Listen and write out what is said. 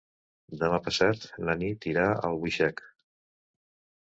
Demà passat na Nit irà a Albuixec.